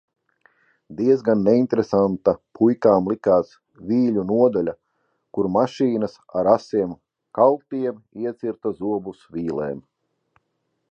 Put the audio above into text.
Diezgan neinteresanta puikām likās vīļu nodaļa, kur mašīnas, ar asiem kaltiem, iecirta zobus vīlēm.